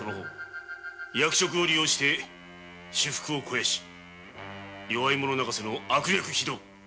役職を利用して私腹を肥やし弱い者泣かせの悪逆非道！